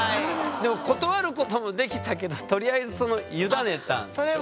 でも断ることもできたけどとりあえずその委ねたんでしょ？